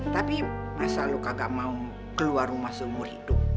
tapi masa lu kagak mau keluar rumah seumur hidup